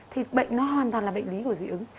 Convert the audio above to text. thì bệnh nó hoàn toàn là bệnh lý của dị ứng